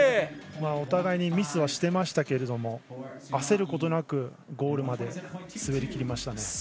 お互いにミスはしていましたけど焦ることなくゴールまで滑りきりましたね。